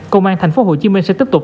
công an tp hcm sẽ tiếp tục